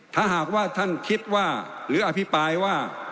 ถ้าหากว่าท่านคิดว่าหรืออภิปรายว่า